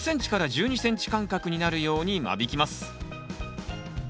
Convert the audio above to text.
１０ｃｍ１２ｃｍ間隔になるように間引きます。